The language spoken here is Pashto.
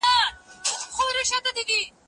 هغه وويل چي کتابتوني کار ضروري دي